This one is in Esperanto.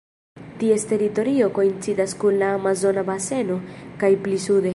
Ties teritorio koincidas kun la Amazona Baseno kaj pli sude.